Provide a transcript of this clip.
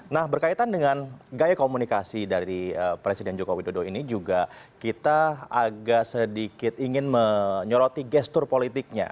nah berkaitan dengan gaya komunikasi dari presiden joko widodo ini juga kita agak sedikit ingin menyoroti gestur politiknya